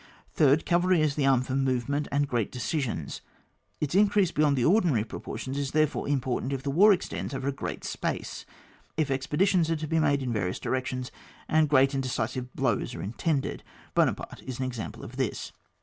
Third, cavalry is the arm for movement and great decisions ; its increase beyond the ordinary proportions is therefore im portant if the war extends over a great space, if expeditions are to be made in various directions, and great and decisive blows are intended. Buonaparte is an example of this.